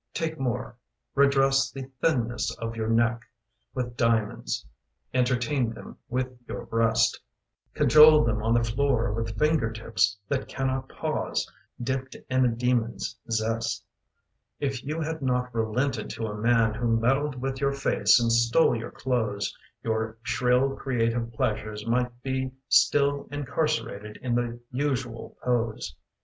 Take more. Redress the thinness of your neck With diamonds; entertain them with your breast; Cajole them on the floor with fingertips That cannot pause, dipped in a demon's zest If you had not relented to a man Who meddled with your face and stole your clothes, Your shrill creative pleasures might be still Incarcerated in the usual pose.